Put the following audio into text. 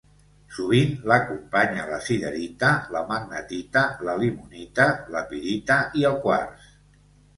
Sovint l'acompanya la siderita, la magnetita, la limonita, la pirita i el quars.